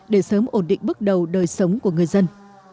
để sớm ổn định bước đầu đời sống của người dân